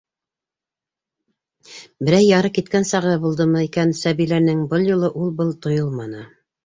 Берәй-яры киткән сағы булдымы икән Сәбиләнең - был юлы ул-был тойолманы.